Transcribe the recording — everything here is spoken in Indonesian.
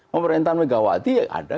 pemerintahan megawati ada